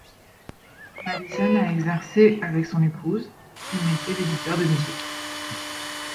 Maddison a exercé avec son épouse le métier d'éditeur de musique.